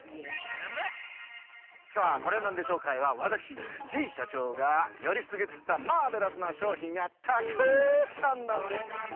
さあコレナンデ商会はわたくしジェイしゃちょうがよりすぐったマーベラスなしょうひんがたくさんなんです。